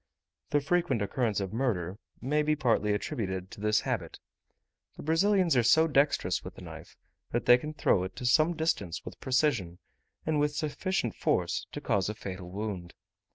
The frequent occurrence of murder may be partly attributed to this habit. The Brazilians are so dexterous with the knife, that they can throw it to some distance with precision, and with sufficient force to cause a fatal wound.